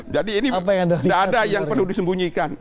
jadi ini tidak ada yang perlu disembunyikan